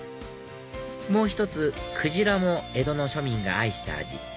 もう１つクジラも江戸の庶民が愛した味